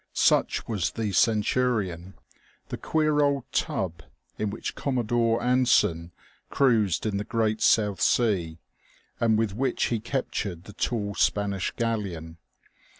Such was the Centurion, the queer old tub in which Commodore Anson cruised in the great South Sea, and with which he captured the tall Spanish galleon.